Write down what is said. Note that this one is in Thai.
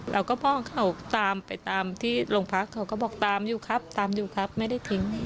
แล้วก็พ่อเขาตามไปตามที่โรงพักเขาก็บอกตามอยู่ครับตามอยู่ครับไม่ได้ทิ้ง